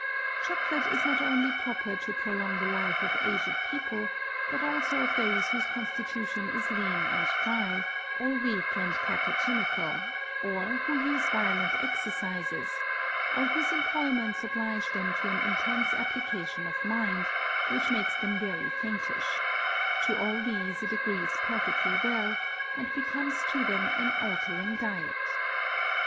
Chocolate is not only proper to prolong the Life of aged People, but also of those whose Constitution is lean and dry, or weak and cacochimical, or who use violent Exercises, or whose Employments oblige them to an intense Application of Mind, which makes them very faintish: to all these it agrees perfectly well, and becomes to them an altering Diet.